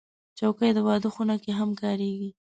چوکۍ د واده خونه کې هم کارېږي.